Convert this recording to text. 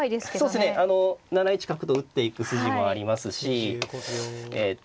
そうですね７一角と打っていく筋もありますしえっと